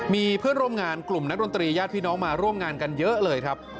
มีเพื่อนร่วมงานกลุ่มนักดนตรีญาติพี่น้องมาร่วมงานกันเยอะเลยครับ